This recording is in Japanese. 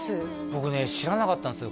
僕ね知らなかったんですよ